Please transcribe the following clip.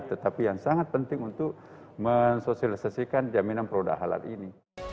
tetapi yang sangat penting untuk mensosialisasikan jaminan produk halal ini